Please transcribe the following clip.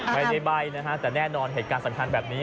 ใบ้นะฮะแต่แน่นอนเหตุการณ์สำคัญแบบนี้